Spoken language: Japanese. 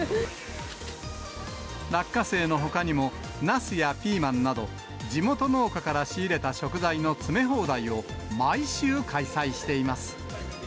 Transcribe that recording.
落花生のほかにも、ナスやピーマンなど、地元農家から仕入れた食材の詰め放題を、毎週開催しています。